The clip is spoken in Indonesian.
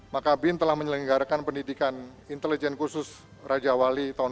maka bin telah menyelenggarakan pendidikan intelijen khusus raja wali tahun dua ribu